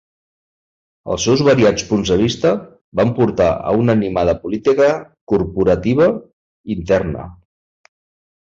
Els seus variats punts de vista van portar a una animada política corporativa interna.